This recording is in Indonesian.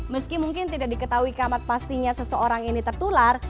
meski mungkin tidak diketahui kamat pastinya seseorang ini tertular